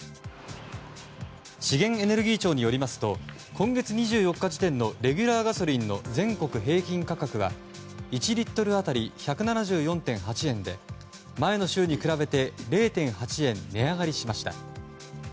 資源エネルギー庁によりますと今月２４日時点のレギュラーガソリンの全国平均価格は１リットル当たり１７４．８円で前の週に比べて０．８円値上がりしました。